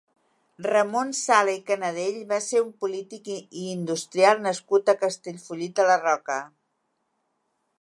Ramon Sala i Canadell va ser un polític i industrial nascut a Castellfollit de la Roca.